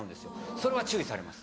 それは注意されます。